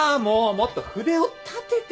もっと筆を立てて！